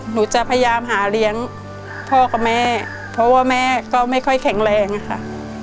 หนูจะพยายามหาเลี้ยงพ่อกับแม่เพราะว่าแม่ก็ไม่ค่อยแข็งแรงอะค่ะ